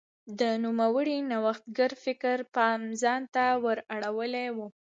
د نوموړي نوښتګر فکر پام ځان ته ور اړولی و.